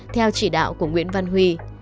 theo chỉ đạo của nguyễn văn huy